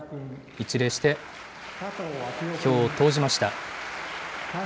一礼して票を投じました。